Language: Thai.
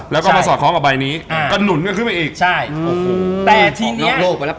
แล้วก็กะหนุลขึ้นไปอย่างนี้